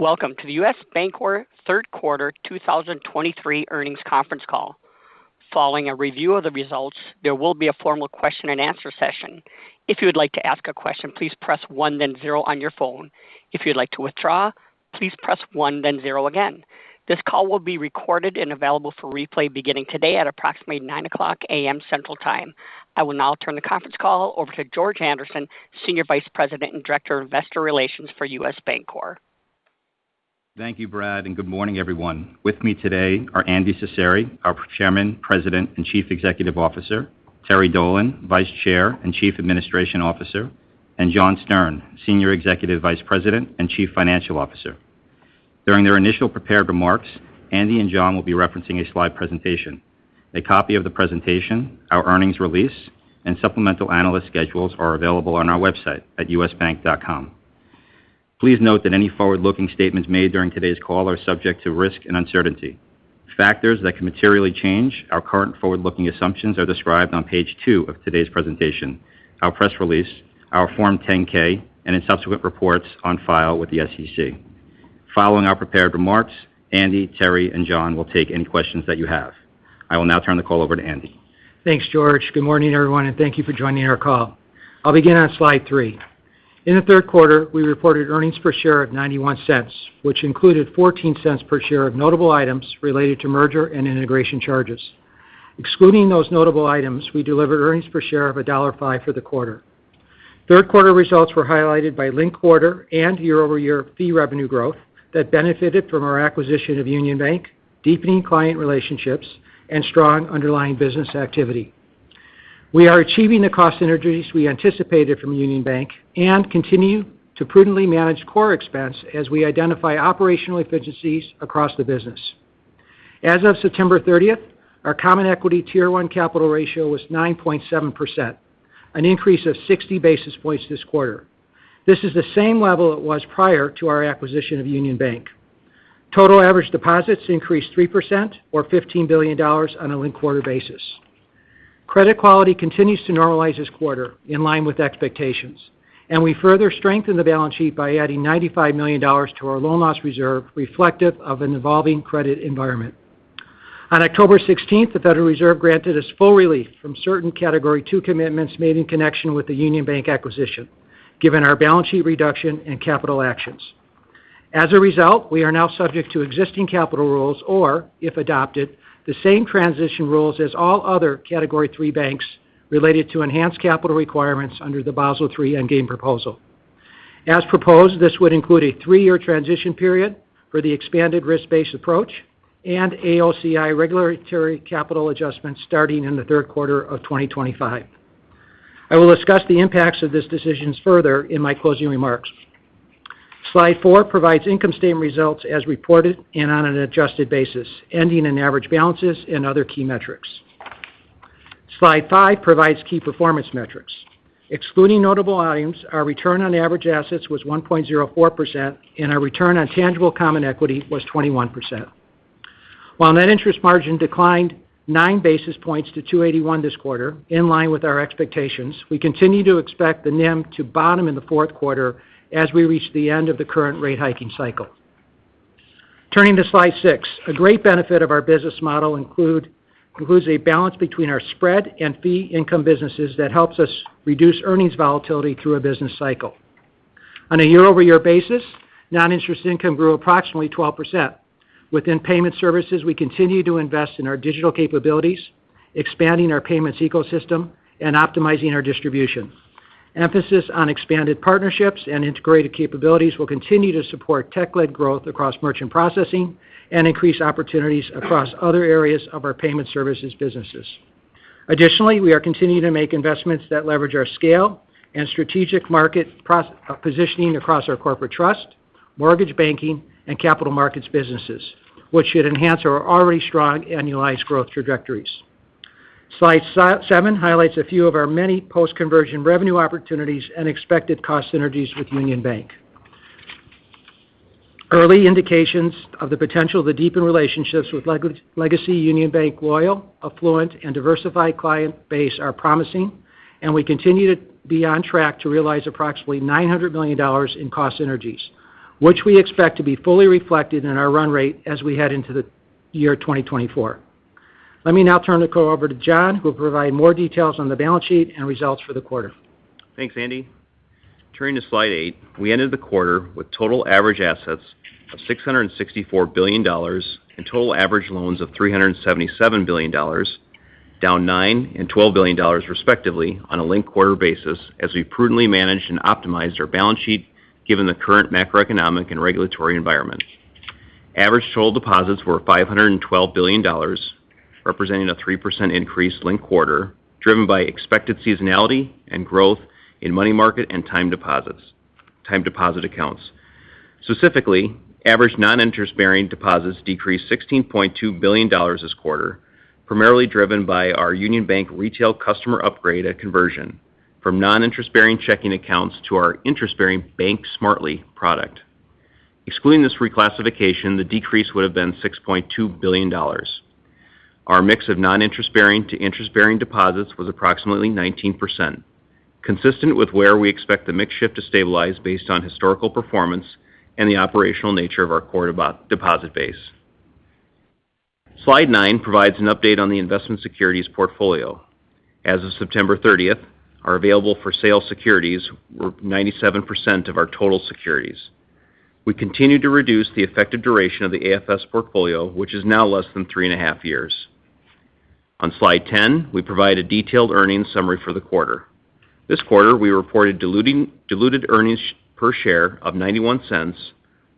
Welcome to the U.S. Bancorp Q3 2023 earnings conference call. Following a review of the results, there will be a formal question-and-answer session. If you would like to ask a question, please press one, then zero on your phone. If you'd like to withdraw, please press one, then zero again. This call will be recorded and available for replay beginning today at approximately 9:00 A.M. Central Time. I will now turn the conference call over to George Andersen, Senior Vice President and Director of Investor Relations for U.S. Bancorp. Thank you, Brad, and good morning, everyone. With me today are Andy Cecere, our Chairman, President, and Chief Executive Officer; Terry Dolan, Vice Chair and Chief Administration Officer; and John Stern, Senior Executive Vice President and Chief Financial Officer. During their initial prepared remarks, Andy and John will be referencing a slide presentation. A copy of the presentation, our earnings release, and supplemental analyst schedules are available on our website at usbank.com. Please note that any forward-looking statements made during today's call are subject to risk and uncertainty. Factors that can materially change our current forward-looking assumptions are described on page two of today's presentation, our press release, our Form 10-K, and in subsequent reports on file with the SEC. Following our prepared remarks, Andy, Terry, and John will take any questions that you have. I will now turn the call over to Andy. Thanks, George. Good morning, everyone, and thank you for joining our call. I'll begin on slide three. In the Q3, we reported earnings per share of $0.91, which included $0.14 per share of notable items related to merger and integration charges. Excluding those notable items, we delivered earnings per share of $1.05 for the quarter. Q3 results were highlighted by linked quarter and year-over-year fee revenue growth that benefited from our acquisition of Union Bank, deepening client relationships, and strong underlying business activity. We are achieving the cost synergies we anticipated from Union Bank and continue to prudently manage core expense as we identify operational efficiencies across the business. As of 30 September, our Common Equity Tier one capital ratio was 9.7%, an increase of 60 basis points this quarter. This is the same level it was prior to our acquisition of Union Bank. Total average deposits increased 3% or $15 billion on a linked-quarter basis. Credit quality continues to normalize this quarter in line with expectations, and we further strengthen the balance sheet by adding $95 million to our loan loss reserve, reflective of an evolving credit environment. On 16 October, the Federal Reserve granted us full relief from certain Category Two commitments made in connection with the Union Bank acquisition, given our balance sheet reduction and capital actions. As a result, we are now subject to existing capital rules or, if adopted, the same transition rules as all other Category Three banks related to enhanced capital requirements under the Basel III Endgame proposal. As proposed, this would include a three-year transition period for the expanded risk-based approach and AOCI regulatory capital adjustments starting in the Q3 of 2025. I will discuss the impacts of these decisions further in my closing remarks. Slide four provides income statement results as reported and on an adjusted basis, ending in average balances and other key metrics. Slide five provides key performance metrics. Excluding notable items, our return on average assets was 1.04%, and our return on tangible common equity was 21%. While net interest margin declined 9 basis points to 2.81% this quarter, in line with our expectations, we continue to expect the NIM to bottom in the Q4 as we reach the end of the current rate hiking cycle. Turning to Slide six. A great benefit of our business model includes a balance between our spread and fee income businesses that helps us reduce earnings volatility through a business cycle. On a year-over-year basis, non-interest income grew approximately 12%. Within payment services, we continue to invest in our digital capabilities, expanding our payments ecosystem, and optimizing our distribution. Emphasis on expanded partnerships and integrated capabilities will continue to support tech-led growth across merchant processing and increase opportunities across other areas of our payment services businesses. Additionally, we are continuing to make investments that leverage our scale and strategic market positioning across our corporate trust, mortgage banking, and capital markets businesses, which should enhance our already strong annualized growth trajectories. Slide seven highlights a few of our many post-conversion revenue opportunities and expected cost synergies with Union Bank. Early indications of the potential to deepen relationships with legacy Union Bank loyal, affluent, and diversified client base are promising, and we continue to be on track to realize approximately $900 million in cost synergies, which we expect to be fully reflected in our run rate as we head into the year 2024. Let me now turn the call over to John, who will provide more details on the balance sheet and results for the quarter. Thanks, Andy. Turning to slide eight, we ended the quarter with total average assets of $664 billion and total average loans of $377 billion, down $9 billion and $12 billion, respectively, on a linked quarter basis, as we prudently managed and optimized our balance sheet given the current macroeconomic and regulatory environment. Average total deposits were $512 billion, representing a 3% increase linked quarter, driven by expected seasonality and growth in money market and time deposits, time deposit accounts. Specifically, average non-interest-bearing deposits decreased $16.2 billion this quarter, primarily driven by our Union Bank retail customer upgrade at conversion from non-interest-bearing checking accounts to our interest-bearing Bank Smartly product. Excluding this reclassification, the decrease would have been $6.2 billion. Our mix of non-interest bearing to interest-bearing deposits was approximately 19%, consistent with where we expect the mix shift to stabilize based on historical performance and the operational nature of our core deposit base. Slide nine provides an update on the investment securities portfolio. As of 30 September, our available-for-sale securities were 97% of our total securities. We continue to reduce the effective duration of the AFS portfolio, which is now less than 3.5 years. On slide 10, we provide a detailed earnings summary for the quarter. This quarter, we reported diluted earnings per share of $0.91,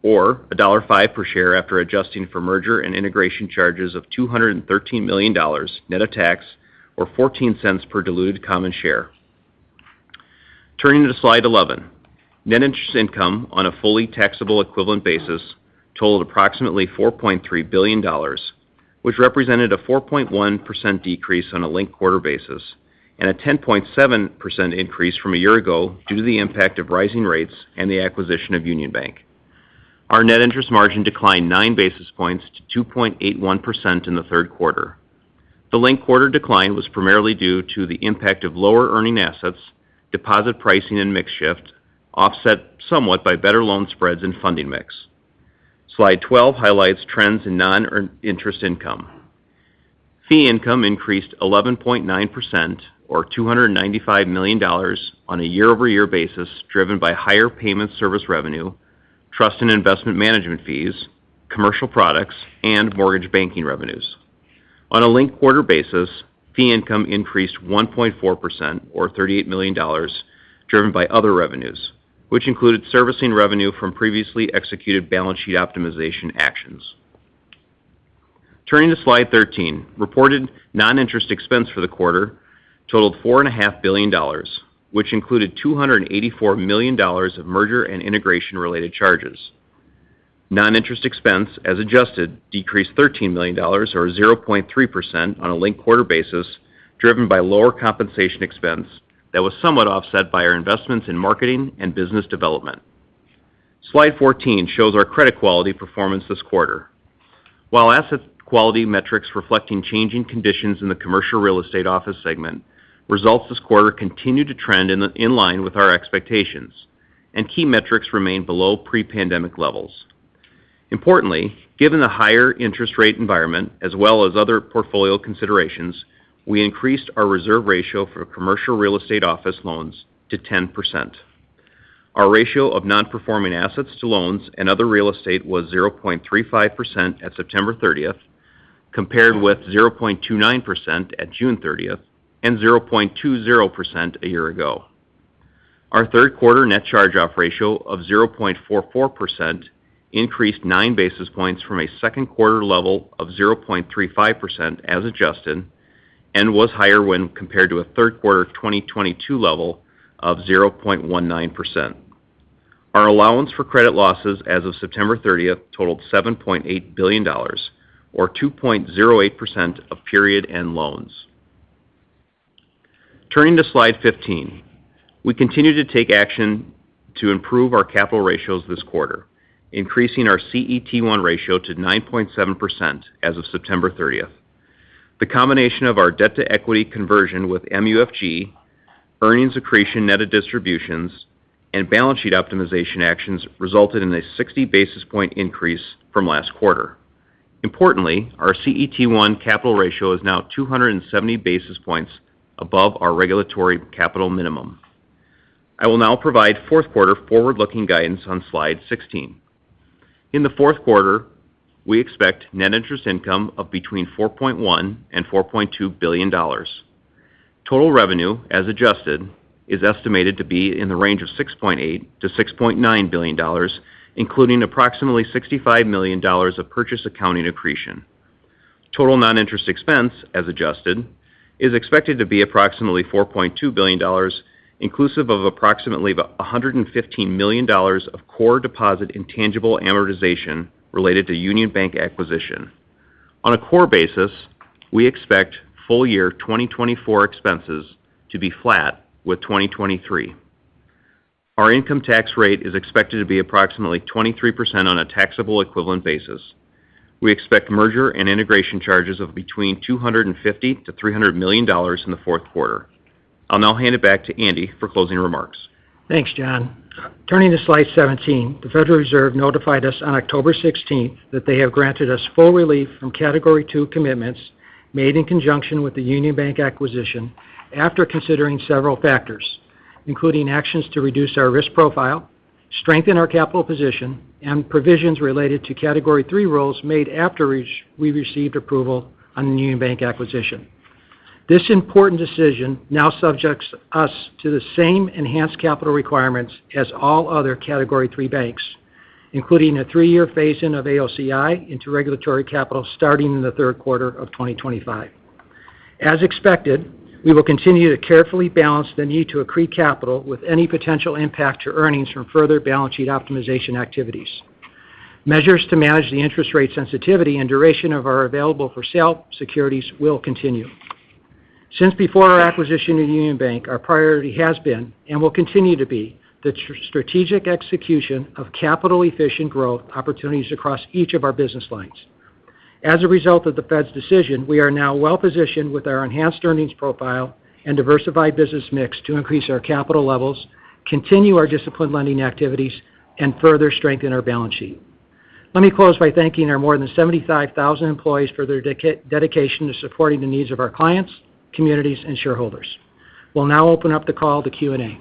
or $1.50 per share, after adjusting for merger and integration charges of $213 million net of tax, or $0.14 per diluted common share. Turning to slide 11. Net interest income on a fully taxable equivalent basis totaled approximately $4.3 billion, which represented a 4.1% decrease on a linked-quarter basis and a 10.7% increase from a year ago due to the impact of rising rates and the acquisition of Union Bank. Our net interest margin declined 9 basis points to 2.81% in the Q3. The linked-quarter decline was primarily due to the impact of lower earning assets, deposit pricing and mix shift, offset somewhat by better loan spreads and funding mix. Slide 12 highlights trends in noninterest income. Fee income increased 11.9%, or $295 million, on a year-over-year basis, driven by higher payment service revenue, trust and investment management fees, commercial products, and mortgage banking revenues. On a linked-quarter basis, fee income increased 1.4%, or $38 million, driven by other revenues, which included servicing revenue from previously executed balance sheet optimization actions. Turning to slide 13. Reported non-interest expense for the quarter totaled $4.5 billion, which included $284 million of merger and integration-related charges. Non-interest expense, as adjusted, decreased $13 million, or 0.3% on a linked-quarter basis, driven by lower compensation expense that was somewhat offset by our investments in marketing and business development. Slide 14 shows our credit quality performance this quarter. While asset quality metrics reflecting changing conditions in the commercial real estate office segment, results this quarter continued to trend in line with our expectations, and key metrics remained below pre-pandemic levels. Importantly, given the higher interest rate environment, as well as other portfolio considerations, we increased our reserve ratio for commercial real estate office loans to 10%. Our ratio of nonperforming assets to loans and other real estate was 0.35% at 30 September, compared with 0.29% at 30 June and 0.20% a year ago. Our Q3 net charge-off ratio of 0.44% increased nine basis points from a Q2 level of 0.35%, as adjusted, and was higher when compared to a Q3 2022 level of 0.19%. Our allowance for credit losses as of 30 September totaled $7.8 billion or 2.08% of period end loans. Turning to slide 15. We continued to take action to improve our capital ratios this quarter, increasing our CET1 ratio to 9.7% as of 30 September. The combination of our debt-to-equity conversion with MUFG, earnings accretion net of distributions, and balance sheet optimization actions resulted in a 60 basis point increase from last quarter. Importantly, our CET1 capital ratio is now 270 basis points above our regulatory capital minimum. I will now provide Q4 forward-looking guidance on slide 16. In the Q4, we expect net interest income of between $4.1 billion and $4.2 billion. Total revenue, as adjusted, is estimated to be in the range of $6.8 billion to $6.9 billion, including approximately $65 million of purchase accounting accretion. Total non-interest expense, as adjusted, is expected to be approximately $4.2 billion, inclusive of approximately $115 million of core deposit intangible amortization related to Union Bank acquisition. On a core basis, we expect full year 2024 expenses to be flat with 2023. Our income tax rate is expected to be approximately 23% on a taxable equivalent basis. We expect merger and integration charges of between $250 million to $300 million in the Q4. I'll now hand it back to Andy for closing remarks. Thanks, John. Turning to slide 17. The Federal Reserve notified us on 16 October that they have granted us full relief from Category Two commitments made in conjunction with the Union Bank acquisition, after considering several factors, including actions to reduce our risk profile, strengthen our capital position, and provisions related to Category Three rules made after we received approval on the Union Bank acquisition. This important decision now subjects us to the same enhanced capital requirements as all other Category Three banks, including a three-year phase-in of AOCI into regulatory capital starting in the Q3 of 2025. As expected, we will continue to carefully balance the need to accrete capital with any potential impact to earnings from further balance sheet optimization activities. Measures to manage the interest rate sensitivity and duration of our available-for-sale securities will continue.... Since before our acquisition of Union Bank, our priority has been, and will continue to be, the strategic execution of capital-efficient growth opportunities across each of our business lines. As a result of the Fed's decision, we are now well positioned with our enhanced earnings profile and diversified business mix to increase our capital levels, continue our disciplined lending activities, and further strengthen our balance sheet. Let me close by thanking our more than 75,000 employees for their dedication to supporting the needs of our clients, communities, and shareholders. We'll now open up the call to Q&A.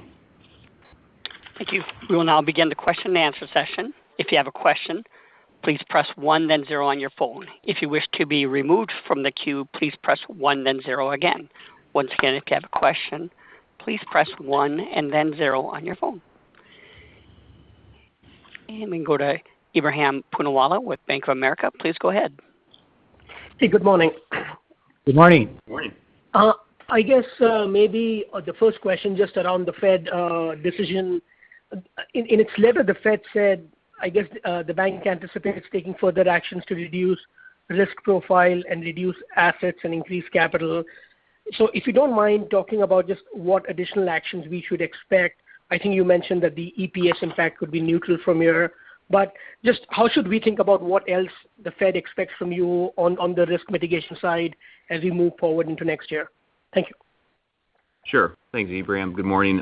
Thank you. We will now begin the question-and-answer session. If you have a question, please press one, then zero on your phone. If you wish to be removed from the queue, please press one, then zero again. Once again, if you have a question, please press one and then zero on your phone. We go to Ebrahim Poonawala with Bank of America. Please go ahead. Hey, good morning. Good morning. Good morning. I guess, maybe, the first question, just around the Fed decision. In its letter, the Fed said, I guess, the bank anticipates taking further actions to reduce risk profile and reduce assets and increase capital. So if you don't mind talking about just what additional actions we should expect. I think you mentioned that the EPS, in fact, could be neutral from here. But just how should we think about what else the Fed expects from you on the risk mitigation side as we move forward into next year? Thank you. Sure. Thanks, Ebrahim. Good morning. You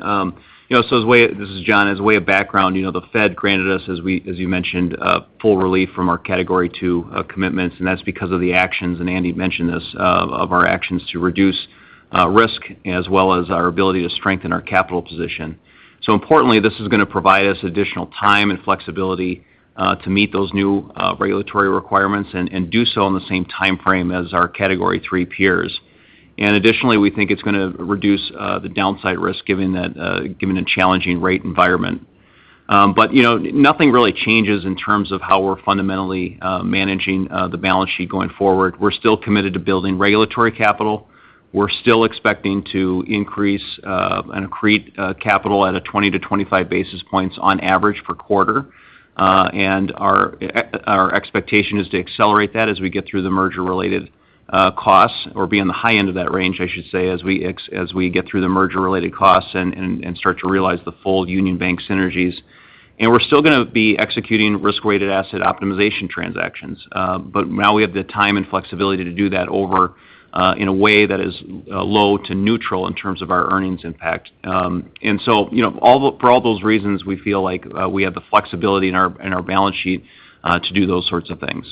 know, so as a way of background, this is John, you know, the Fed granted us, as we, as you mentioned, full relief from our Category Two commitments, and that's because of the actions, and Andy mentioned this, of our actions to reduce risk, as well as our ability to strengthen our capital position. So importantly, this is going to provide us additional time and flexibility to meet those new regulatory requirements and do so in the same time frame as our Category Three peers. And additionally, we think it's going to reduce the downside risk, given that, given the challenging rate environment. But, you know, nothing really changes in terms of how we're fundamentally managing the balance sheet going forward. We're still committed to building regulatory capital. We're still expecting to increase and accrete capital at a 20 basis points to 25 basis points on average per quarter. Our expectation is to accelerate that as we get through the merger-related costs, or be on the high end of that range, I should say, as we get through the merger-related costs and start to realize the full Union Bank synergies. And we're still going to be executing risk-weighted asset optimization transactions, but now we have the time and flexibility to do that over in a way that is low to neutral in terms of our earnings impact. And so, you know, all those reasons, we feel like we have the flexibility in our balance sheet to do those sorts of things.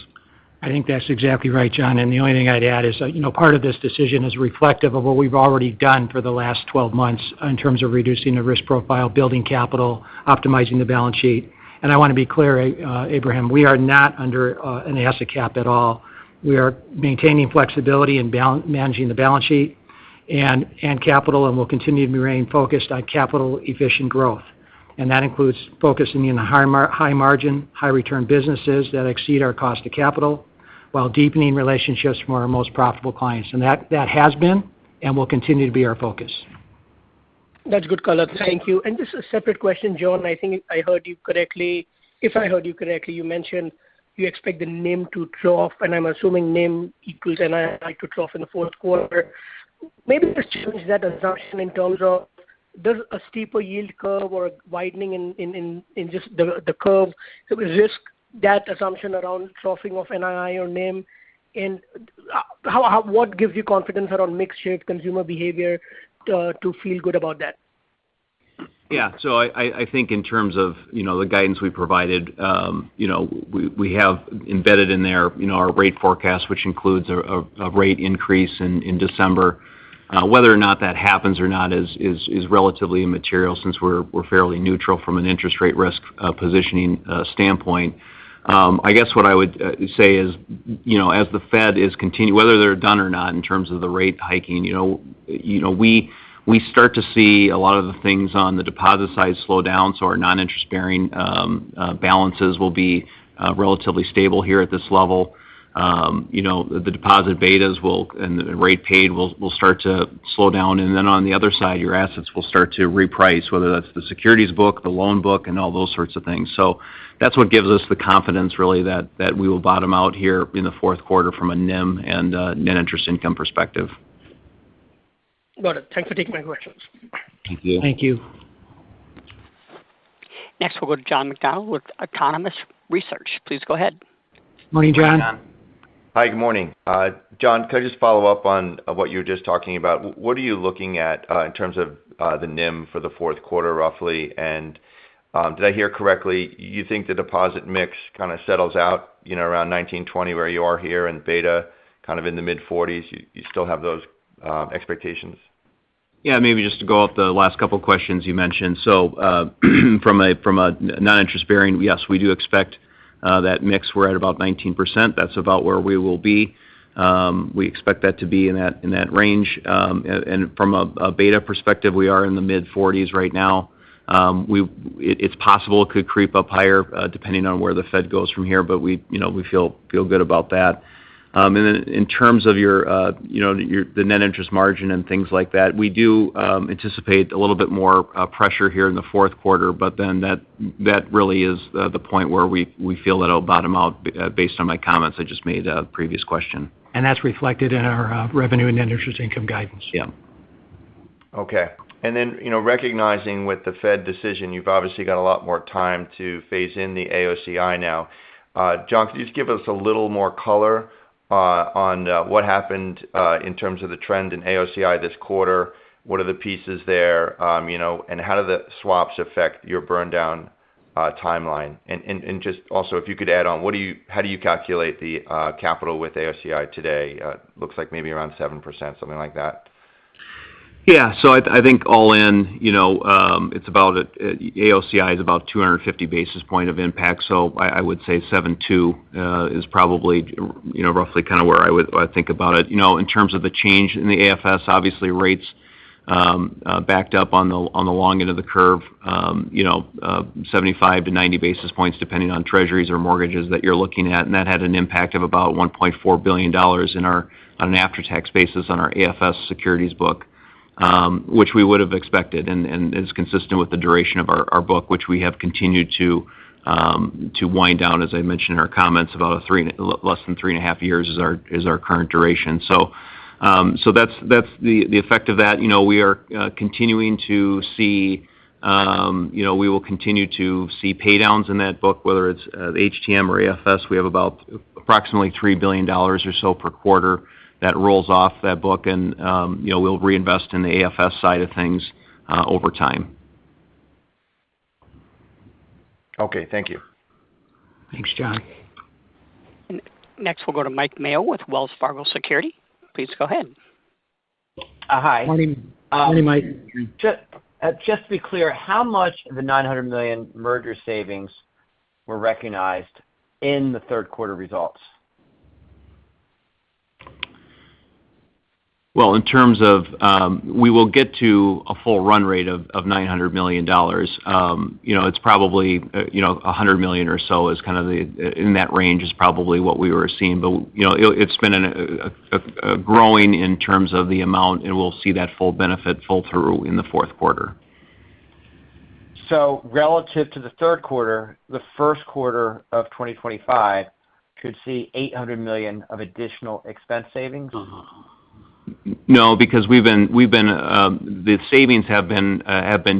I think that's exactly right, John, and the only thing I'd add is, you know, part of this decision is reflective of what we've already done for the last 12 months in terms of reducing the risk profile, building capital, optimizing the balance sheet. And I want to be clear, Ebrahim, we are not under an asset cap at all. We are maintaining flexibility in managing the balance sheet and capital, and we'll continue to remain focused on capital-efficient growth. And that includes focusing in the high margin, high return businesses that exceed our cost of capital, while deepening relationships from our most profitable clients. And that has been and will continue to be our focus. That's good color. Thank you. And just a separate question, John. I think I heard you correctly. If I heard you correctly, you mentioned you expect the NIM to drop, and I'm assuming NIM equals NII to drop in the Q4. Maybe just change that assumption in terms of does a steeper yield curve or a widening in just the curve, it will risk that assumption around dropping of NII or NIM? And what gives you confidence around mix shift, consumer behavior, to feel good about that? Yeah. So I think in terms of, you know, the guidance we provided, you know, we have embedded in there, you know, our rate forecast, which includes a rate increase in December. Whether or not that happens or not is relatively immaterial since we're fairly neutral from an interest rate risk positioning standpoint. I guess what I would say is, you know, as the Fed is whether they're done or not, in terms of the rate hiking, you know, you know, we start to see a lot of the things on the deposit side slow down, so our non-interest-bearing balances will be relatively stable here at this level. You know, the deposit betas will, and the rate paid will start to slow down, and then on the other side, your assets will start to reprice, whether that's the securities book, the loan book, and all those sorts of things. So that's what gives us the confidence, really, that we will bottom out here in the Q4 from a NIM and a net interest income perspective. Got it. Thanks for taking my questions. Thank you. Thank you. Next, we'll go to John McDonald with Autonomous Research. Please go ahead. Morning, John. Hi, good morning. John, could I just follow up on what you were just talking about? What are you looking at in terms of the NIM for the Q4, roughly? And did I hear correctly, you think the deposit mix kind of settles out, you know, around 19, 20, where you are here, and beta kind of in the mid-40s? You still have those expectations? Yeah, maybe just to go off the last couple of questions you mentioned. So, from a non-interest bearing, yes, we do expect that mix. We're at about 19%. That's about where we will be. We expect that to be in that range. And from a beta perspective, we are in the mid-40s right now. It's possible it could creep up higher, depending on where the Fed goes from here, but you know, we feel good about that. Then in terms of your, you know, your, the net interest margin and things like that, we do anticipate a little bit more pressure here in the Q4, but then that, that really is the, the point where we, we feel that it'll bottom out, based on my comments I just made, previous question. That's reflected in our revenue and interest income guidance. Yeah. Okay. And then, you know, recognizing with the Fed decision, you've obviously got a lot more time to phase in the AOCI now. John, could you just give us a little more color on what happened in terms of the trend in AOCI this quarter? What are the pieces there? You know, and how do the swaps affect your burn down timeline? And just also, if you could add on, what do you how do you calculate the capital with AOCI today? Looks like maybe around 7%, something like that. Yeah. So I think all in, you know, it's about AOCI is about 250 basis point of impact. So I would say 7.2 is probably, you know, roughly kind of where I would, I think about it. You know, in terms of the change in the AFS, obviously, rates backed up on the long end of the curve, you know, 75 basis points to 90 basis points, depending on Treasuries or mortgages that you're looking at. That had an impact of about $1.4 billion on an after-tax basis on our AFS securities book, which we would have expected, and is consistent with the duration of our book, which we have continued to wind down, as I mentioned in our comments. Less than three and a half years is our current duration. So, that's the effect of that. You know, we are continuing to see, you know, we will continue to see pay downs in that book, whether it's HTM or AFS. We have about approximately $3 billion or so per quarter that rolls off that book, and, you know, we'll reinvest in the AFS side of things over time. Okay. Thank you. Thanks, John. Next, we'll go to Mike Mayo with Wells Fargo Securities. Please go ahead. Hi. Morning. Morning, Mike. Just to be clear, how much of the $900 million merger savings were recognized in the Q3 results? Well, in terms of, we will get to a full run rate of $900 million. You know, it's probably, you know, $100 million or so is kind of the, in that range is probably what we were seeing. But, you know, it, it's been a growing in terms of the amount, and we'll see that full benefit full through in the Q4. Relative to the Q3, the Q1 of 2025 could see $800 million of additional expense savings? No, because the savings have been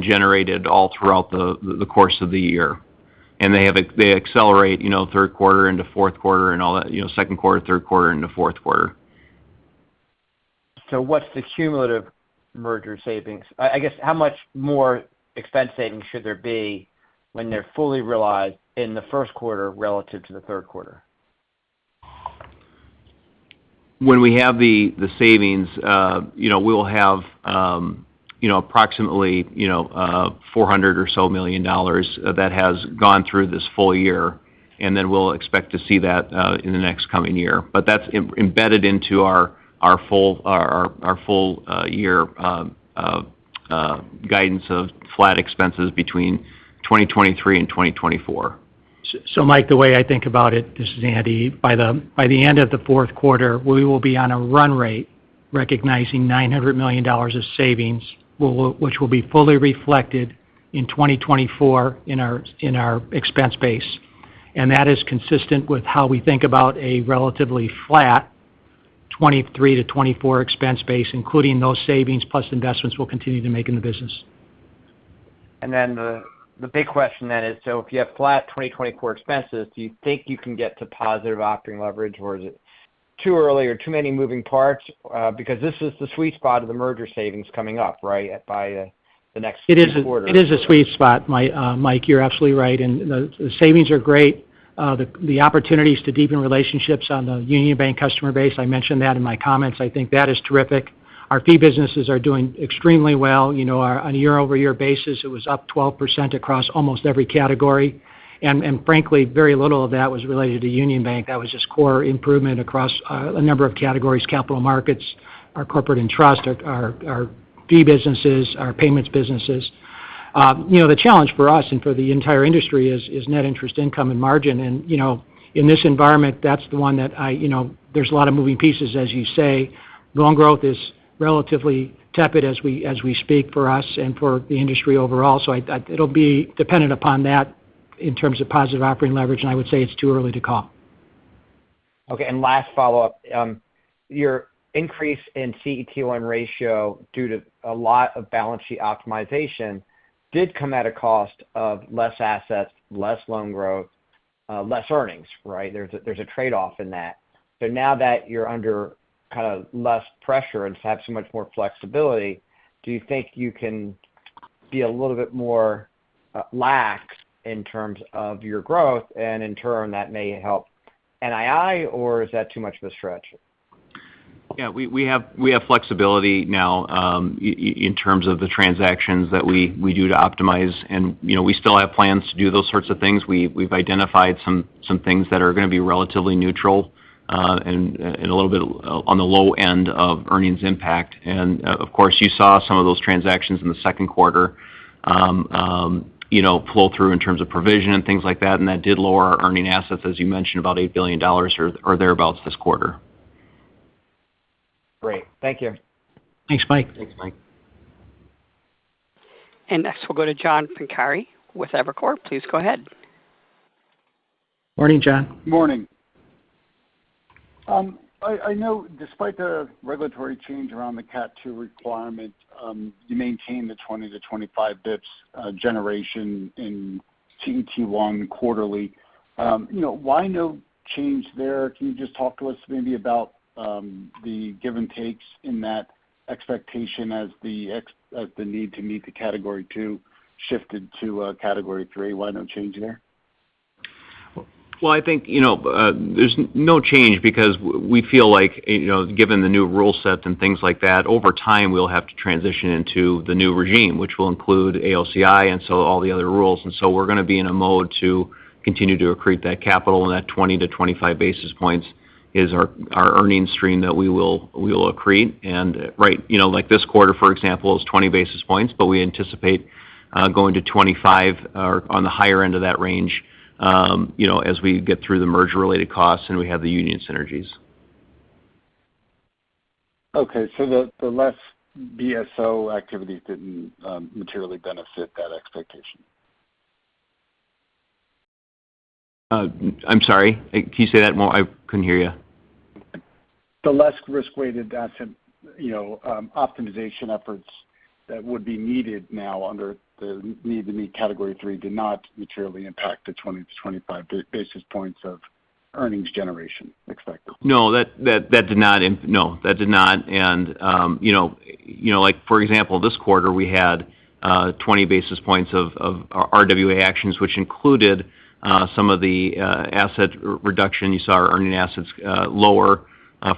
generated all throughout the course of the year. And they accelerate, you know, Q3 into Q4 and all that, you know, Q2, Q3 into Q4. What's the cumulative merger savings? I guess, how much more expense savings should there be when they're fully realized in the Q1 relative to the Q3? When we have the savings, you know, we'll have, you know, approximately, you know, $400 million or so that has gone through this full year, and then we'll expect to see that in the next coming year. But that's embedded into our full year guidance of flat expenses between 2023 and 2024. So, Mike, the way I think about it, this is Andy. By the end of the Q4, we will be on a run rate, recognizing $900 million of savings, which will be fully reflected in 2024 in our expense base. And that is consistent with how we think about a relatively flat 2023 to 2024 expense base, including those savings plus investments we'll continue to make in the business. And then the big question then is, so if you have flat 2024 expenses, do you think you can get to positive operating leverage, or is it too early or too many moving parts? Because this is the sweet spot of the merger savings coming up, right? By the next quarter. It is a sweet spot, Mike. You're absolutely right, and the savings are great. The opportunities to deepen relationships on the Union Bank customer base, I mentioned that in my comments. I think that is terrific. Our fee businesses are doing extremely well. You know, on a year-over-year basis, it was up 12% across almost every category. And frankly, very little of that was related to Union Bank. That was just core improvement across a number of categories, capital markets, our corporate trust, our fee businesses, our payments businesses. You know, the challenge for us and for the entire industry is net interest income and margin. And you know, in this environment, that's the one that I, you know, there's a lot of moving pieces, as you say. Loan growth is relatively tepid as we speak for us and for the industry overall. So it'll be dependent upon that in terms of positive operating leverage, and I would say it's too early to call. Okay, and last follow-up. Your increase in CET1 ratio, due to a lot of balance sheet optimization, did come at a cost of less assets, less loan growth, less earnings, right? There's a, there's a trade-off in that. So now that you're under kind of less pressure and have so much more flexibility, do you think you can be a little bit more, lax in terms of your growth and in turn, that may help NII, or is that too much of a stretch? Yeah, we have flexibility now in terms of the transactions that we do to optimize. And, you know, we still have plans to do those sorts of things. We've identified some things that are going to be relatively neutral, and a little bit on the low end of earnings impact. And, of course, you saw some of those transactions in the Q2, you know, flow through in terms of provision and things like that, and that did lower our earning assets, as you mentioned, about $8 billion or thereabouts this quarter. Great. Thank you. Thanks, Mike. Thanks, Mike. Next, we'll go to John Pancari with Evercore. Please go ahead. Morning, John. Morning. I know despite the regulatory change around the Category 2 requirement, you maintain the 20 basis points to 25 basis points generation in CET1 quarterly. You know, why no change there? Can you just talk to us maybe about the give and takes in that expectation as the need to meet the Category two shifted to Category three? Why no change there? Well, I think, you know, there's no change because we feel like, you know, given the new rule set and things like that, over time, we'll have to transition into the new regime, which will include AOCI, and so all the other rules. And so we're going to be in a mode to continue to accrete that capital, and that 20 basis points to 25 basis points is our earnings stream that we will accrete. And right, you know, like this quarter, for example, is 20 basis points, but we anticipate going to 25 basis points or on the higher end of that range, you know, as we get through the merger-related costs and we have the Union synergies. Okay. So the less BSO activity didn't materially benefit that expectation? I'm sorry. Can you say that more? I couldn't hear you. The less risk-weighted asset, you know, optimization efforts that would be needed now under the need to meet Category Three did not materially impact the 20 basis points to 25 basis points of earnings generation expected. No, that did not. And, you know, you know, like, for example, this quarter, we had 20 basis points of RWA actions, which included some of the asset reduction. You saw our earning assets lower,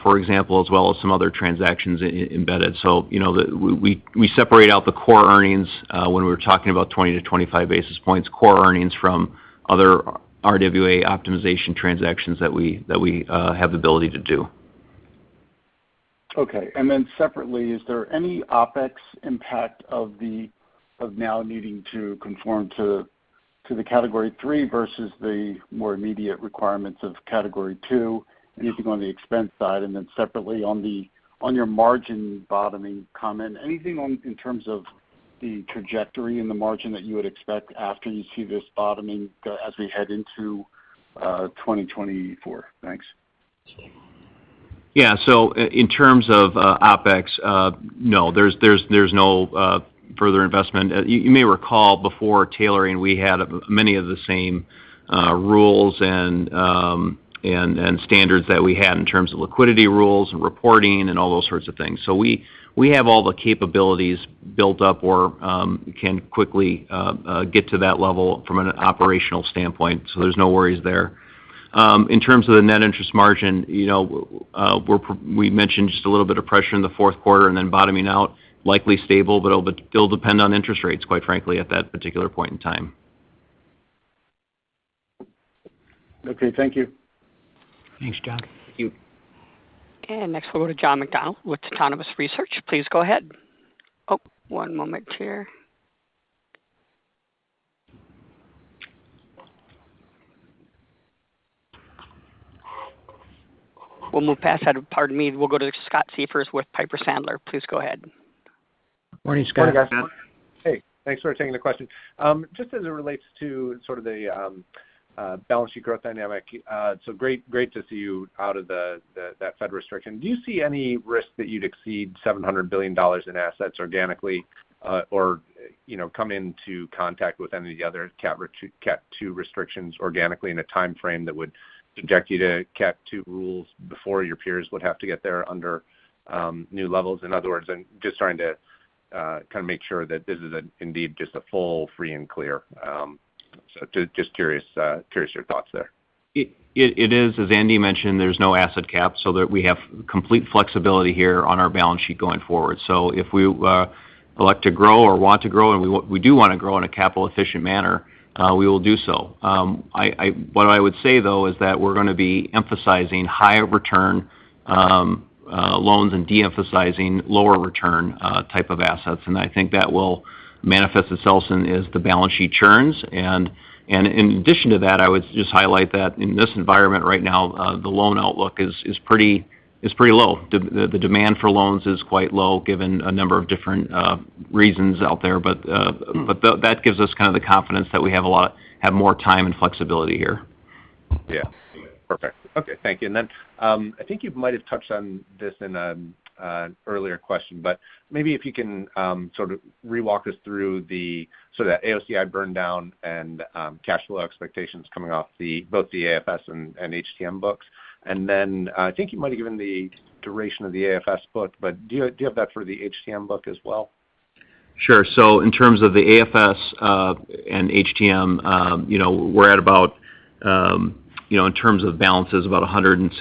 for example, as well as some other transactions embedded. So, you know, we separate out the core earnings when we were talking about 20 basis points to 25 basis points, core earnings from other RWA optimization transactions that we have the ability to do. Okay. And then separately, is there any OpEx impact of the, of now needing to conform to, to the Category three versus the more immediate requirements of Category two? Anything on the expense side, and then separately on the, on your margin bottoming comment, anything on, in terms of the trajectory in the margin that you would expect after you see this bottoming, as we head into 2024? Thanks. Yeah. So in terms of OpEx, no, there's no further investment. You may recall before tailoring, we had many of the same rules and standards that we had in terms of liquidity rules and reporting and all those sorts of things. So we have all the capabilities built up or can quickly get to that level from an operational standpoint, so there's no worries there. In terms of the net interest margin, you know, we mentioned just a little bit of pressure in the Q4 and then bottoming out, likely stable, but it'll depend on interest rates, quite frankly, at that particular point in time. Okay. Thank you. Thanks, John. Thank you. Next, we'll go to John McDonald with Autonomous Research. Please go ahead. Oh, one moment here. We'll move past that. Pardon me. We'll go to Scott Siefers with Piper Sandler. Please go ahead. Morning, Scott. Morning, guys. Hey, thanks for taking the question. Just as it relates to sort of the balance sheet growth dynamic, so great, great to see you out of that Fed restriction. Do you see any risk that you'd exceed $700 billion in assets organically, or, you know, come into contact with any of the other Cat or Cat two restrictions organically in a time frame that would subject you to Cat two rules before your peers would have to get there under new levels? In other words, I'm just trying to kind of make sure that this is indeed just a full, free, and clear. So just curious your thoughts there. It is, as Andy mentioned, there's no asset cap, so that we have complete flexibility here on our balance sheet going forward. So if we elect to grow or want to grow, and we do want to grow in a capital efficient manner, we will do so. What I would say, though, is that we're going to be emphasizing higher return loans and de-emphasizing lower return type of assets, and I think that will manifest itself in, as the balance sheet churns. And in addition to that, I would just highlight that in this environment right now, the loan outlook is pretty low. The demand for loans is quite low, given a number of different reasons out there. But that gives us kind of the confidence that we have a lot more time and flexibility here. Yeah. Perfect. Okay, thank you. And then, I think you might have touched on this in an earlier question, but maybe if you can sort of re-walk us through the sort of the AOCI burn down and cash flow expectations coming off the both the AFS and and HTM books. And then, I think you might have given the duration of the AFS book, but do you do you have that for the HTM book as well? Sure. So in terms of the AFS and HTM, you know, we're at about, you know, in terms of balances, about $162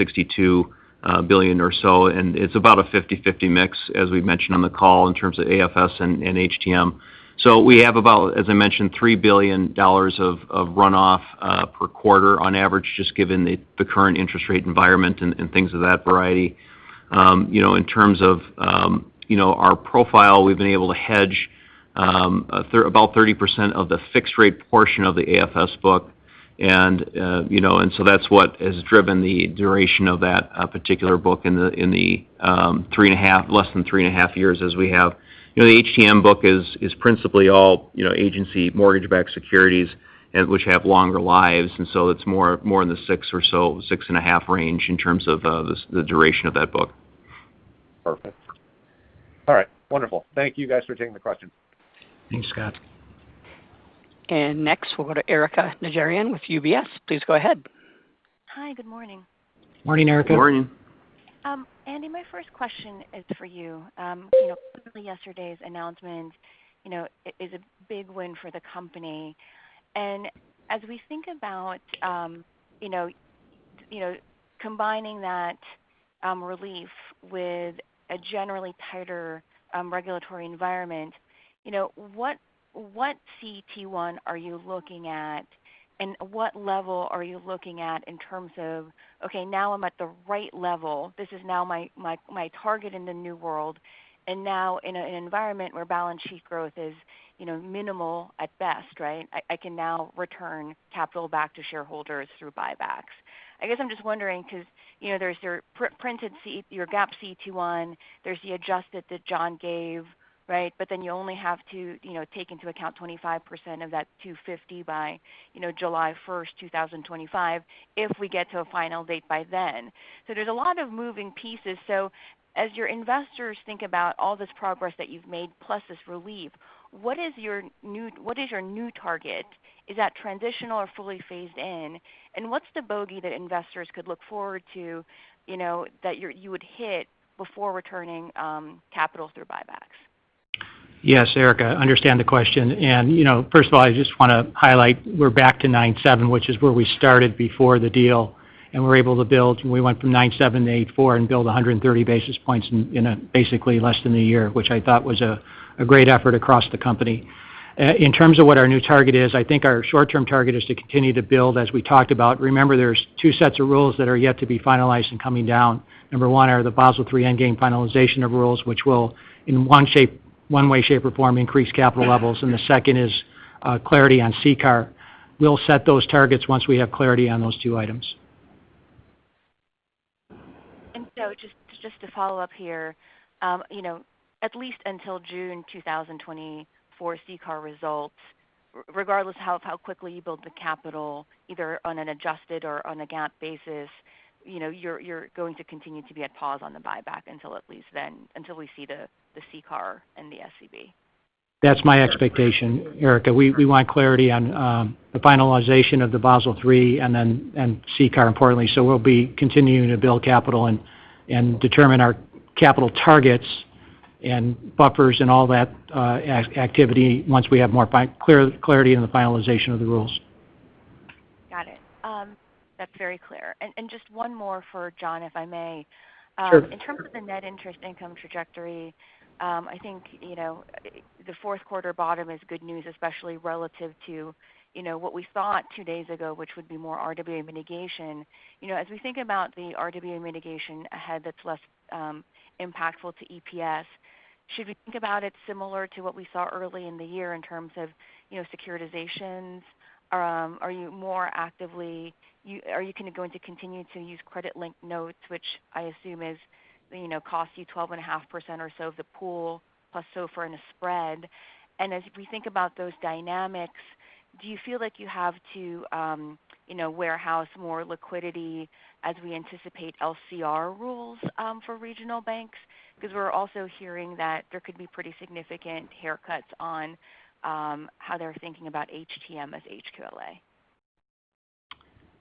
billion or so, and it's about a 50/50 mix, as we've mentioned on the call, in terms of AFS and HTM. So we have about, as I mentioned, $3 billion of runoff per quarter on average, just given the current interest rate environment and things of that variety. You know, in terms of our profile, we've been able to hedge about 30% of the fixed rate portion of the AFS book. And you know, and so that's what has driven the duration of that particular book in the less than three point five years as we have. You know, the HTM book is principally all, you know, agency mortgage-backed securities, which have longer lives, and so it's more in the 6 or so, 6.5 range in terms of the duration of that book. Perfect. All right, wonderful. Thank you guys for taking the question. Thanks, Scott. Next, we'll go to Erika Najarian with UBS. Please go ahead. Hi, good morning. Morning, Erika. Morning. Andy, my first question is for you. You know, quickly, yesterday's announcement, you know, is a big win for the company. And as we think about, you know, you know, combining that relief with a generally tighter regulatory environment, you know, what, what CET1 are you looking at, and what level are you looking at in terms of, okay, now I'm at the right level. This is now my, my, my target in the new world, and now in an environment where balance sheet growth is, you know, minimal at best, right? I, can now return capital back to shareholders through buybacks. I guess I'm just wondering cause, you know, there's your printed CET1, your GAAP CET1, there's the adjusted that John gave, right? But then you only have to, you know, take into account 25% of that 250 by, you know, 1 July, 2025, if we get to a final date by then. So there's a lot of moving pieces. So as your investors think about all this progress that you've made, plus this relief, what is your new-- what is your new target? Is that transitional or fully phased in? And what's the bogey that investors could look forward to, you know, that you're, you would hit before returning capital through buybacks? Yes, Erika, I understand the question. And, you know, first of all, I just want to highlight we're back to 9.7 basis points, which is where we started before the deal, and we're able to build. We went from 9.7 basis points to 8.4 basis points and build 130 basis points in a basically less than a year, which I thought was a great effort across the company. In terms of what our new target is, I think our short-term target is to continue to build, as we talked about. Remember, there's two sets of rules that are yet to be finalized and coming down. Number one, are the Basel III endgame finalization of rules, which will, in one shape, one way, shape, or form, increase capital levels, and the second is clarity on CCAR. We'll set those targets once we have clarity on those two items. So just to follow up here, you know, at least until June 2020 for CCAR results, regardless of how quickly you build the capital, either on an adjusted or on a GAAP basis, you know, you're going to continue to be at pause on the buyback until at least then, until we see the CCAR and the SCB. That's my expectation, Erika. We want clarity on the finalization of the Basel III and then CCAR, importantly. So we'll be continuing to build capital and determine our capital targets and buffers and all that activity once we have more clarity in the finalization of the rules. Got it. That's very clear. And just one more for John, if I may. Sure. In terms of the net interest income trajectory, I think, you know, the Q4 bottom is good news, especially relative to, you know, what we thought two days ago, which would be more RWA mitigation. You know, as we think about the RWA mitigation ahead, that's less impactful to EPS. Should we think about it similar to what we saw early in the year in terms of, you know, securitizations? Are you more actively going to continue to use credit-linked notes, which I assume is, you know, cost you 12.5% or so of the pool, plus SOFR and a spread? And as we think about those dynamics, do you feel like you have to, you know, warehouse more liquidity as we anticipate LCR rules for regional banks? Because we're also hearing that there could be pretty significant haircuts on, how they're thinking about HTM as HQLA.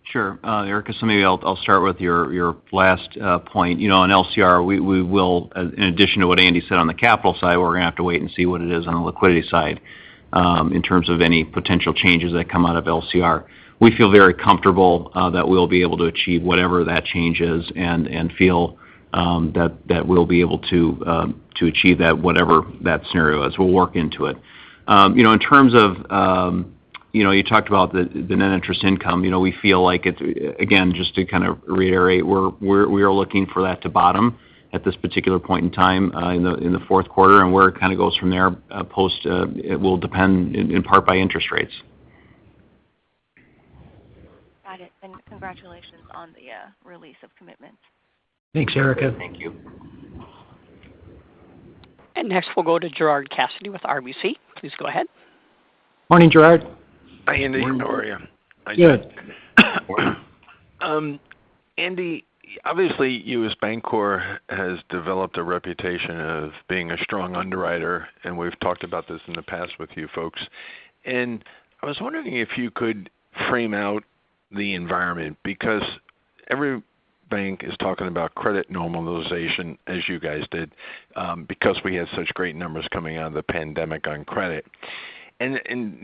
Sure. Erika, so maybe I'll, start with your, your last point. You know, on LCR, we, we will, as in addition to what Andy said on the capital side, we're going to have to wait and see what it is on the liquidity side, in terms of any potential changes that come out of LCR. We feel very comfortable, that we'll be able to achieve whatever that change is and, and feel, that, that we'll be able to, to achieve that, whatever that scenario is. We'll work into it. You know, in terms of, you know, you talked about the, the net interest income. You know, we feel like it, again, just to kind of reiterate, we are looking for that to bottom at this particular point in time, in the Q4, and where it kind of goes from there, post it will depend in part by interest rates. Got it. Congratulations on the release of commitment. Thanks, Erika. Thank you. Next, we'll go to Gerard Cassidy with RBC. Please go ahead. Morning, Gerard. Hi, Andy. How are you? Good. Andy, obviously, you as Bancorp, has developed a reputation of being a strong underwriter, and we've talked about this in the past with you folks. And I was wondering if you could frame out the environment, because every bank is talking about credit normalization, as you guys did, because we had such great numbers coming out of the pandemic on credit. And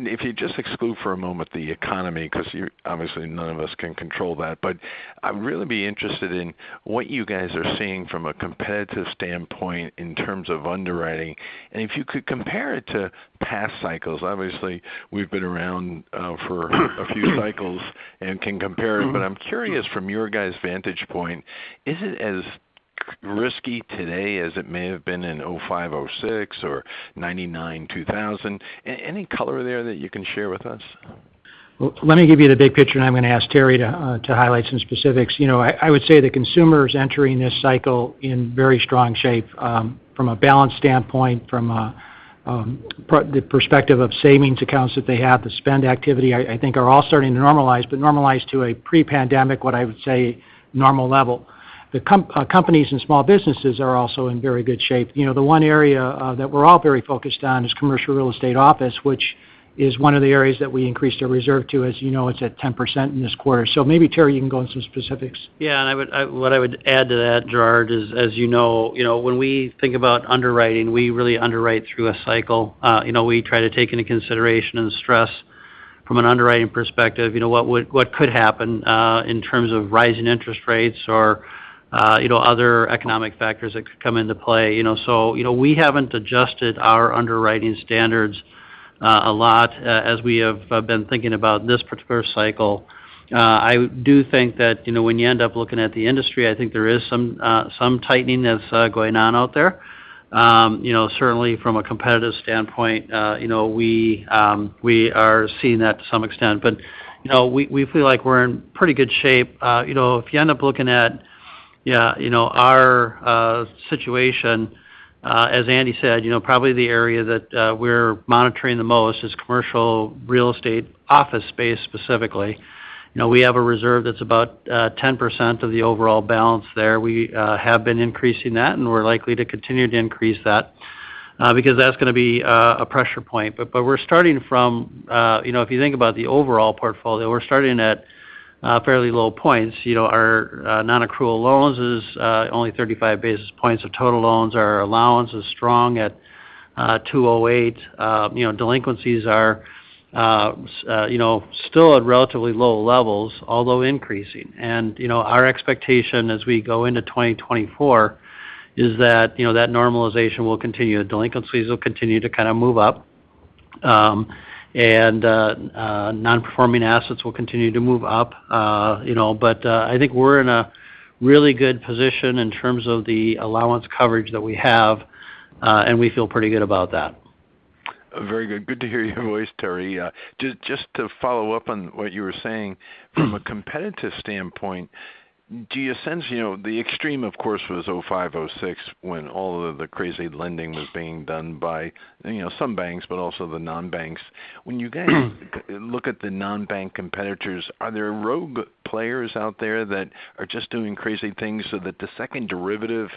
if you just exclude for a moment the economy, because you're obviously, none of us can control that, but I'd really be interested in what you guys are seeing from a competitive standpoint in terms of underwriting. And if you could compare it to past cycles. Obviously, we've been around for a few cycles and can compare, but I'm curious from your guys' vantage point, is it as risky today as it may have been in 2005, 2006 or 1999, 2000? Any color there that you can share with us? Well, let me give you the big picture, and I'm going to ask Terry to highlight some specifics. You know, I would say the consumer is entering this cycle in very strong shape, from a balance standpoint, from the perspective of savings accounts that they have, the spend activity, I think are all starting to normalize, but normalize to a pre-pandemic, what I would say, normal level. The companies and small businesses are also in very good shape. You know, the one area that we're all very focused on is commercial real estate office, which is one of the areas that we increased our reserve to. As you know, it's at 10% in this quarter. So maybe, Terry, you can go into some specifics. Yeah, what I would add to that, Gerard, is, as you know, you know, when we think about underwriting, we really underwrite through a cycle. You know, we try to take into consideration and stress from an underwriting perspective, you know, what could happen in terms of rising interest rates or, you know, other economic factors that could come into play. You know, so, you know, we haven't adjusted our underwriting standards a lot as we have been thinking about this particular cycle. I do think that, you know, when you end up looking at the industry, I think there is some tightening that's going on out there. You know, certainly from a competitive standpoint, you know, we are seeing that to some extent. But, you know, we, we feel like we're in pretty good shape. You know, if you end up looking at, yeah, you know, our situation, as Andy said, you know, probably the area that we're monitoring the most is commercial real estate office space, specifically. You know, we have a reserve that's about 10% of the overall balance there. We have been increasing that, and we're likely to continue to increase that because that's gonna be a pressure point. But, but we're starting from... you know, if you think about the overall portfolio, we're starting at fairly low points. You know, our nonaccrual loans is only 35 basis points of total loans. Our allowance is strong at 208. You know, delinquencies are, you know, still at relatively low levels, although increasing. You know, our expectation as we go into 2024 is that, you know, that normalization will continue. Delinquencies will continue to kind of move up, and nonperforming assets will continue to move up. You know, but I think we're in a really good position in terms of the allowance coverage that we have, and we feel pretty good about that. Very good. Good to hear your voice, Terry. Just to follow up on what you were saying, from a competitive standpoint, do you sense... You know, the extreme, of course, was 2005, 2006, when all of the crazy lending was being done by, you know, some banks, but also the non-banks. When you guys look at the non-bank competitors, are there rogue players out there that are just doing crazy things so that the second derivative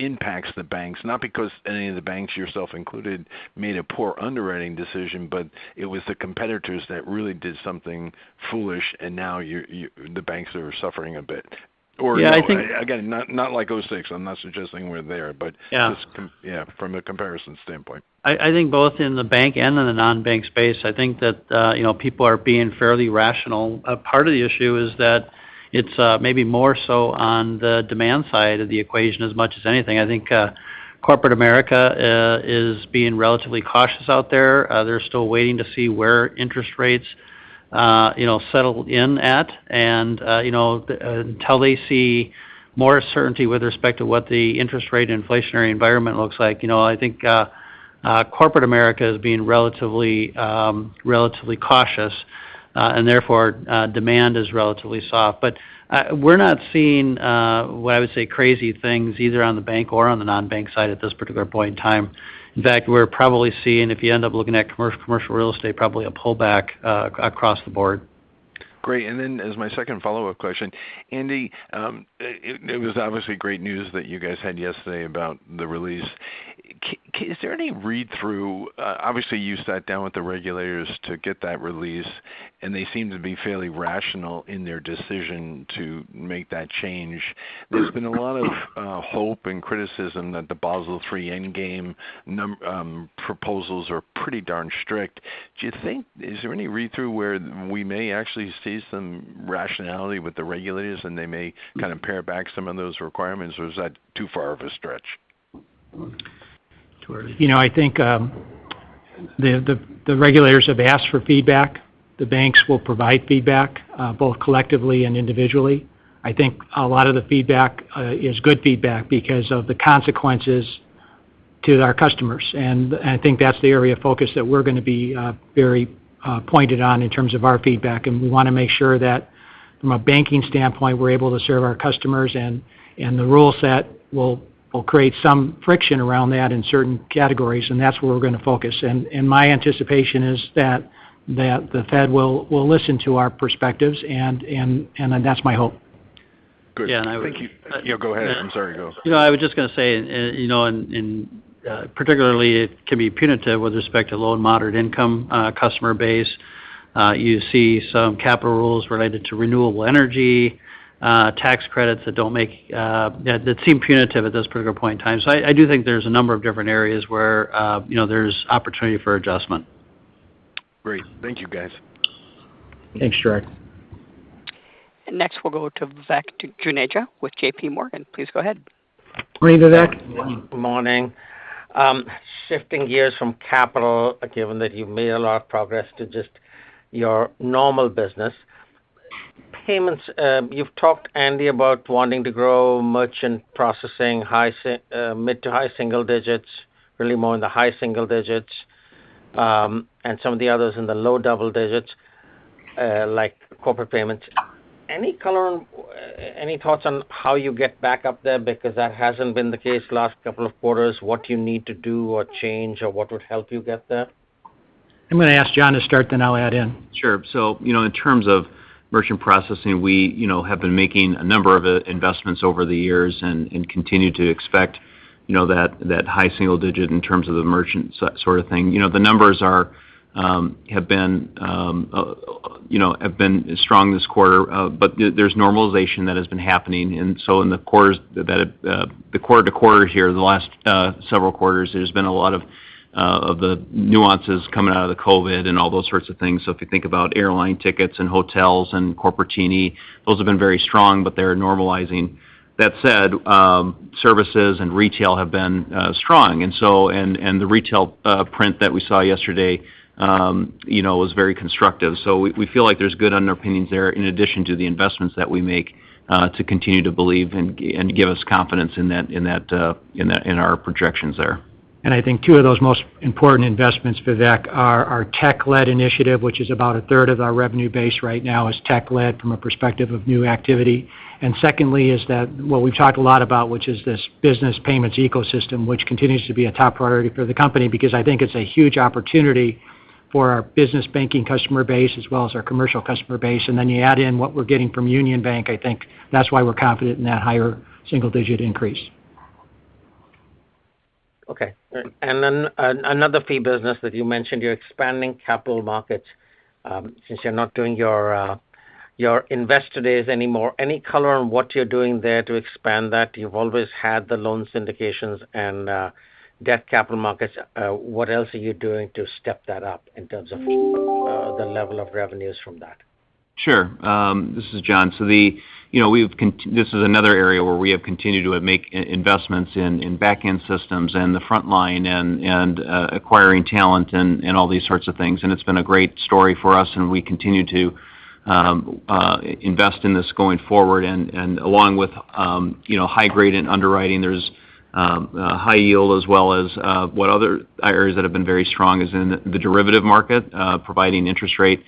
impacts the banks, not because any of the banks, yourself included, made a poor underwriting decision, but it was the competitors that really did something foolish, and now the banks are suffering a bit? Yeah, I think Or, again, not, not like 2006, I'm not suggesting we're there, but Yeah. Just, yeah, from a comparison standpoint. I think both in the bank and in the non-bank space, I think that, you know, people are being fairly rational. A part of the issue is that it's, maybe more so on the demand side of the equation as much as anything. I think, corporate America, is being relatively cautious out there. They're still waiting to see where interest rates, you know, settle in at, and, you know, until they see more certainty with respect to what the interest rate and inflationary environment looks like, you know, I think, corporate America is being relatively, relatively cautious, and therefore, demand is relatively soft. But, we're not seeing, what I would say, crazy things, either on the bank or on the non-bank side at this particular point in time. In fact, we're probably seeing, if you end up looking at commercial real estate, probably a pullback across the board. Great. And then, as my second follow-up question, Andy, it was obviously great news that you guys had yesterday about the release. Is there any read-through? Obviously, you sat down with the regulators to get that release, and they seem to be fairly rational in their decision to make that change. There's been a lot of hope and criticism that the Basel III endgame proposals are pretty darn strict. Is there any read-through where we may actually see some rationality with the regulators, and they may kind of pare back some of those requirements, or is that too far of a stretch? You know, I think the regulators have asked for feedback. The banks will provide feedback both collectively and individually. I think a lot of the feedback is good feedback because of the consequences to our customers. And I think that's the area of focus that we're gonna be very pointed on in terms of our feedback. And we wanna make sure that from a banking standpoint, we're able to serve our customers, and the rule set will create some friction around that in certain categories, and that's where we're gonna focus. And my anticipation is that the Fed will listen to our perspectives, and that's my hope. Good. Thank you. Yeah, and I would Yeah, go ahead. I'm sorry, go. You know, I was just gonna say, you know, particularly it can be punitive with respect to low and moderate income customer base. You see some capital rules related to renewable energy tax credits that don't make that seem punitive at this particular point in time. So I do think there's a number of different areas where, you know, there's opportunity for adjustment. Great. Thank you, guys. Thanks, Gerard. Next, we'll go to Vivek Juneja with JPMorgan. Please go ahead. Morning, Vivek. Morning. Shifting gears from capital, given that you've made a lot of progress to just your normal business. Payments, you've talked, Andy, about wanting to grow merchant processing, mid to high-single digits, really more in the high single digits, and some of the others in the low double digits, like corporate payments. Any color on, any thoughts on how you get back up there? Because that hasn't been the case last couple of quarters. What do you need to do or change, or what would help you get there? I'm going to ask John to start, then I'll add in. Sure. So, you know, in terms of merchant processing, we, you know, have been making a number of investments over the years and, and continue to expect, you know, that, that high single digit in terms of the merchant sort of thing. You know, the numbers are, have been, you know, have been strong this quarter, but there, there's normalization that has been happening. And so in the quarters that, the quarter to quarter here, the last, several quarters, there's been a lot of, of the nuances coming out of the COVID and all those sorts of things. So if you think about airline tickets and hotels and corporations, those have been very strong, but they're normalizing. That said, services and retail have been strong. And so the retail print that we saw yesterday, you know, was very constructive. So we feel like there's good underpinnings there, in addition to the investments that we make to continue to believe and give us confidence in that, in our projections there. I think two of those most important investments, Vivek, are our tech-led initiative, which is about a third of our revenue base right now, is tech-led from a perspective of new activity. And secondly, is that what we've talked a lot about, which is this business payments ecosystem, which continues to be a top priority for the company, because I think it's a huge opportunity for our business banking customer base as well as our commercial customer base. And then you add in what we're getting from Union Bank. I think that's why we're confident in that higher single digit increase. Okay. And then, another fee business that you mentioned, you're expanding capital markets. Since you're not doing your investor days anymore, any color on what you're doing there to expand that? You've always had the loan syndications and debt capital markets. What else are you doing to step that up in terms of the level of revenues from that? Sure. This is John. So, you know, this is another area where we have continued to make investments in back-end systems and the frontline and acquiring talent and all these sorts of things. And it's been a great story for us, and we continue to invest in this going forward. And along with, you know, high grade and underwriting, there's high yield, as well as what other areas that have been very strong is in the derivative market, providing interest rate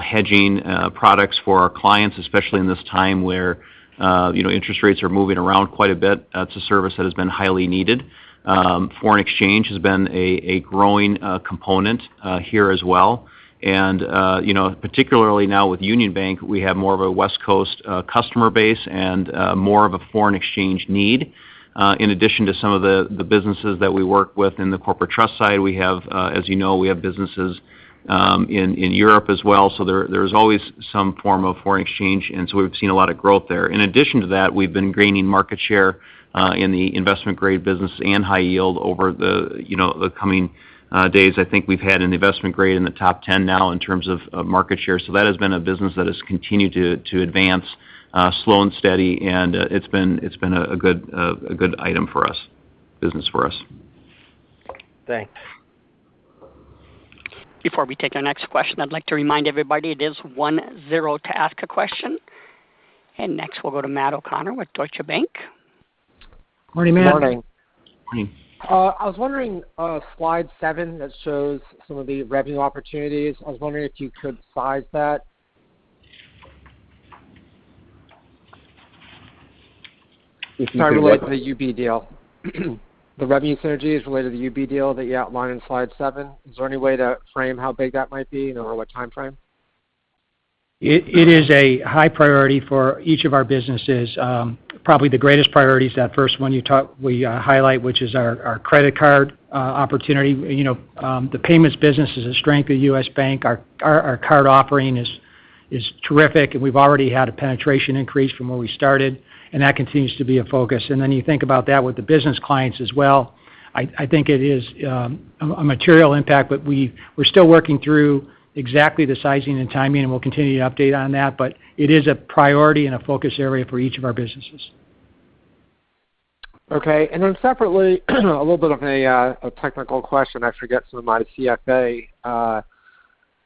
hedging products for our clients, especially in this time where, you know, interest rates are moving around quite a bit. That's a service that has been highly needed. Foreign exchange has been a growing component here as well. And, you know, particularly now with Union Bank, we have more of a West Coast customer base and more of a foreign exchange need. In addition to some of the businesses that we work with in the corporate trust side, we have, as you know, we have businesses in Europe as well. So there, there's always some form of foreign exchange, and so we've seen a lot of growth there. In addition to that, we've been gaining market share in the investment grade business and high yield over the, you know, the coming days. I think we've had an investment grade in the top 10 now in terms of market share. So that has been a business that has continued to advance, slow and steady, and it's been a good business for us. Thanks. Before we take our next question, I'd like to remind everybody it is 10 to ask a question. Next, we'll go to Matt O'Connor with Deutsche Bank. Morning, Matt. Morning. Morning. I was wondering, slide seven, that shows some of the revenue opportunities. I was wondering if you could size that. If you could what? Sorry, related to the UB deal. The revenue synergies related to the UB deal that you outlined in slide seven. Is there any way to frame how big that might be or what timeframe? It is a high priority for each of our businesses. Probably the greatest priority is that first one we highlight, which is our credit card opportunity. You know, the payments business is a strength of U.S. Bank. Our card offering is terrific, and we've already had a penetration increase from where we started, and that continues to be a focus. And then you think about that with the business clients as well. I think it is a material impact, but we're still working through exactly the sizing and timing, and we'll continue to update on that. But it is a priority and a focus area for each of our businesses. Okay. And then separately, a little bit of a technical question. I actually get some of my CFA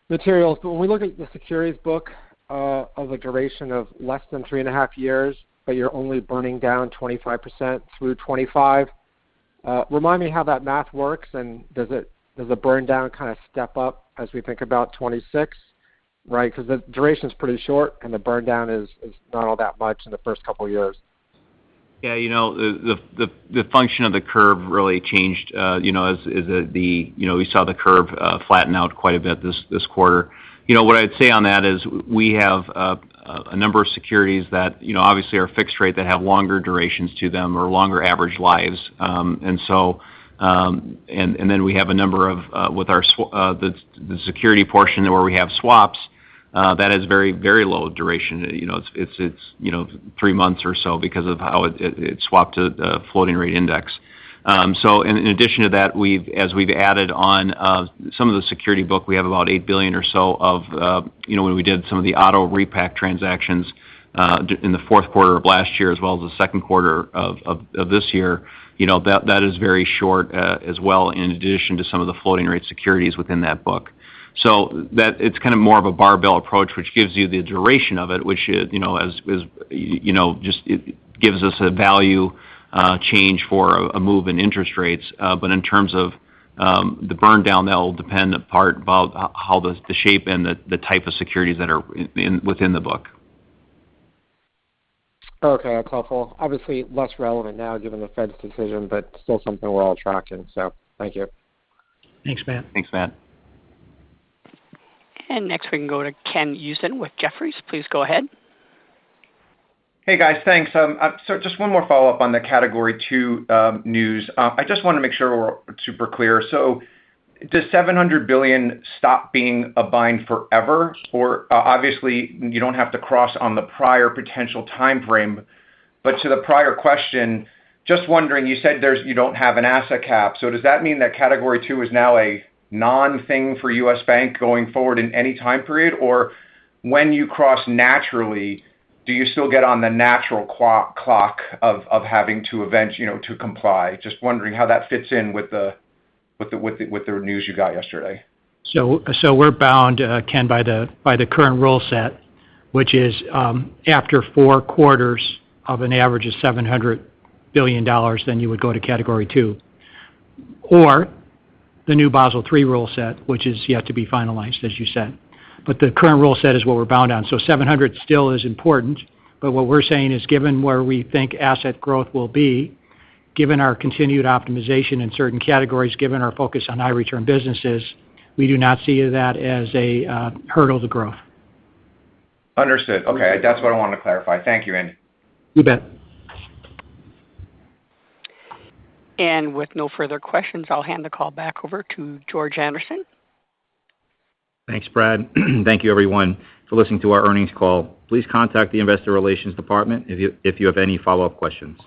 materials. But when we look at the securities book of a duration of less than 3.5 years, but you're only burning down 25% through 2025, remind me how that math works, and does it, does the burn down kind of step up as we think about 2026, right? Because the duration is pretty short, and the burn down is not all that much in the first couple of years. Yeah, you know, the function of the curve really changed, you know, as the, you know, we saw the curve flatten out quite a bit this quarter. You know, what I'd say on that is we have a number of securities that, you know, obviously are fixed rate, that have longer durations to them or longer average lives. And so. And then we have a number of with our the security portion, where we have swaps, that is very, very low duration. You know, it's, you know, three months or so because of how it swapped to floating rate index. So in addition to that, we've as we've added on some of the security book, we have about $8 billion or so of, you know, when we did some of the auto repack transactions in the Q4 of last year, as well as the Q2 of this year, you know, that, that is very short, as well, in addition to some of the floating rate securities within that book. So that it's kind of more of a barbell approach, which gives you the duration of it, which is, you know, just, it gives us a value change for a move in interest rates. But in terms of the burn down, that will depend in part about how the shape and the type of securities that are in the book.... Okay, helpful. Obviously, less relevant now given the Fed's decision, but still something we're all tracking. So thank you. Thanks, Matt. Thanks, Matt. Next, we can go to Ken Usdin with Jefferies. Please go ahead. Hey, guys, thanks. So just one more follow-up on the Category Two news. I just want to make sure we're super clear. So does $700 billion stop being a bind forever? Or, obviously, you don't have to cross on the prior potential time frame, but to the prior question, just wondering, you said there's you don't have an asset cap, so does that mean that Category Two is now a non-thing for U.S. Bank going forward in any time period? Or when you cross naturally, do you still get on the natural clock of having to event, you know, to comply? Just wondering how that fits in with the news you got yesterday. So, we're bound, Ken, by the current rule set, which is, after four quarters of an average of $700 billion, then you would go to Category Two, or the new Basel III rule set, which is yet to be finalized, as you said. But the current rule set is what we're bound on. So 700 still is important, but what we're saying is, given where we think asset growth will be, given our continued optimization in certain categories, given our focus on high return businesses, we do not see that as a hurdle to growth. Understood. Okay, that's what I wanted to clarify. Thank you, Andy. You bet. With no further questions, I'll hand the call back over to George Andersen. Thanks, Brad. Thank you, everyone, for listening to our earnings call. Please contact the investor relations department if you have any follow-up questions.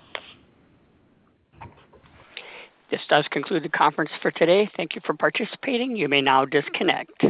This does conclude the conference for today. Thank you for participating. You may now disconnect.